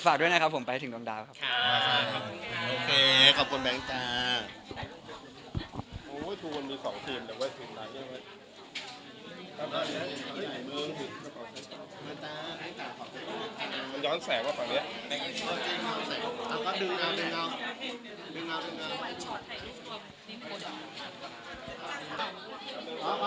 ด้วยนะครับผมไปถึงดังดาวครับ